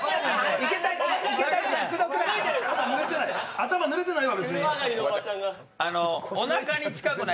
頭ぬれてないわ。